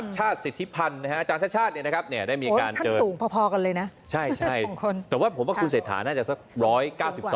ชัชชาติศิษภัณฑ์นะครับอาจารย์ชัชชาตินะครับ